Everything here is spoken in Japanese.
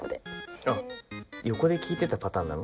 横で聞いてたパターンなの？